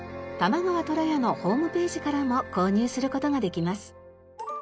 玉川虎屋のホームページからも購入する事ができます。